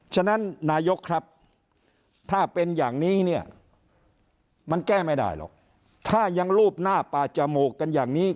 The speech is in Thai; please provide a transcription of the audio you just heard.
ฉะนั้นนายกครับถ้าเป็นอย่างนี้เนี่ยมันแก้ไม่ได้หรอกถ้ายังรูปหน้าป่าจมูกกันอย่างนี้